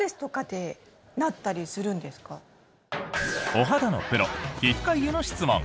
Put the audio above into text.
お肌のプロ皮膚科医への質問。